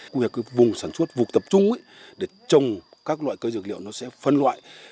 quy hoạch vùng sản xuất vùng tập trung để trồng các loại cây dược liệu nó sẽ phân loại